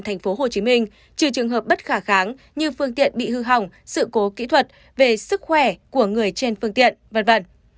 trừ trường hợp bất khả kháng như phương tiện bị hư hỏng sự cố kỹ thuật về sức khỏe của người trên phương tiện v v